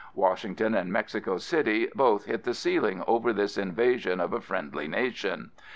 Washington and Mexico City both hit the ceiling over this invasion of a friendly nation.